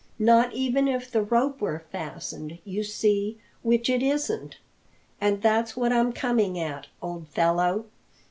Not even if the rope were fastened, you see, which it isn't. And that's what I'm coming at, old fellow.